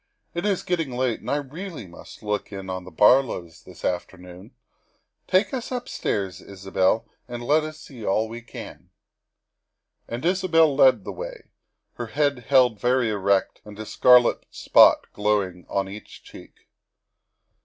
It is getting late and I really must look in at the Bar lows this afternoon. Take us upstairs, Isabel, and let us see all we can." And Isabel led the way, her head held very erect and a scarlet spot glowing on each cheek.